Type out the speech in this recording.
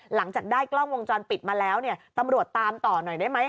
หลังจากได้กล้องวงจรปิดมาแล้วเนี่ยตำรวจตามต่อหน่อยได้ไหม